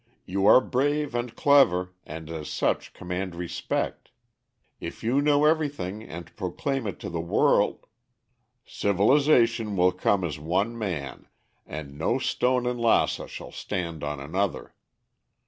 You are brave and clever, and as such command respect. If you know everything and proclaim it to the world " "Civilization will come as one man, and no stone in Lassa shall stand on another.